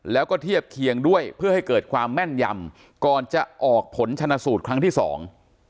แล้วก็เทียบเคียงด้วยเพื่อให้เกิดความแม่นยำก่อนจะออกผลชนะสูตรครั้งที่สอง